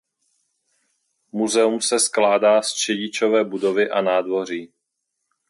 Muzeum se skládá z čedičové budovy a nádvoří.